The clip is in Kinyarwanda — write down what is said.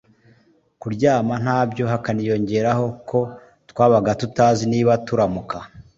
kuryama nta byo hakaniyongeraho ko twabaga tutazi niba turamuka